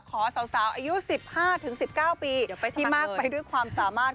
สาวอายุ๑๕๑๙ปีที่มากไปด้วยความสามารถ